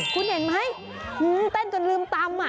คุณเห็นไหมเต้นจนลืมตำ